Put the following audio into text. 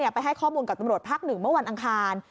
ไปให้ข้อมูลกับตำรวจภาคหนึ่งเมื่อวันอังคาร